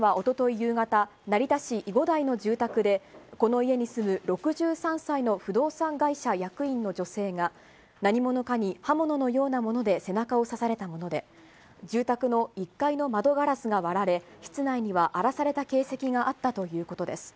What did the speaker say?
夕方、成田市囲護台の住宅で、この家に住む６３歳の不動産会社役員の女性が、何者かに刃物のようなもので背中を刺されたもので、住宅の１階の窓ガラスが割られ、室内には荒らされた形跡があったということです。